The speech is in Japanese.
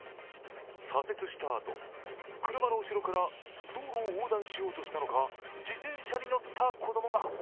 左折したあと、車の後ろから道路を横断しようとしたのか自転車に乗った子供が。